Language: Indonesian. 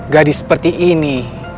gadis seperti ini